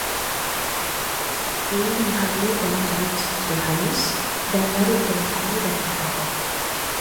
Ia menghablur dalam jarum sutera halus dan larut dalam air dan alkohol